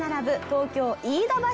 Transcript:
東京飯田橋。